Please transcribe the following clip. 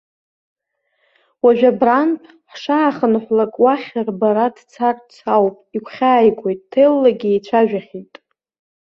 Уажә абрантә ҳшаахынҳәлак уахь рбара дцарц ауп, игәхьааигоит, ҭеллагьы еицәажәахьеит.